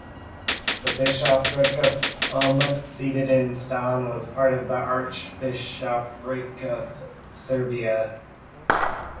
The Bishopric of Hum, seated in Ston, was part of the Archbishopric of Serbia.